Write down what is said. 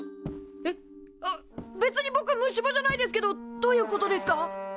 えっ別にぼく虫歯じゃないですけどどういうことですか？